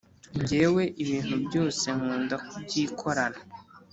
Njyewe ibintu byose nkunda kubyikorana